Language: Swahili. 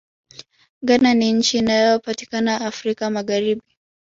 ghana ni nchi inayopatikana afrika magharibi